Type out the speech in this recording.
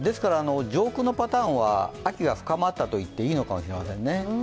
上空のパターンは秋が深まったといっていいのかもしれませんね。